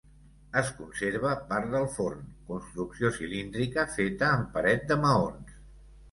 Es conserva part del forn, construcció cilíndrica feta amb paret de maons.